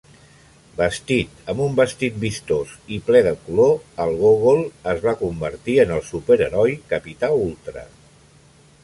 Vestit amb un vestit vistós i ple de color, el Gogol es va convertir en el superheroi Capità Ultra.